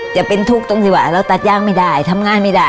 จะเป็นทุกข์ตรงที่ว่าเราตัดยางไม่ได้ทำงานไม่ได้